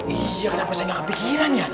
iya kenapa saya gak kepikiran ya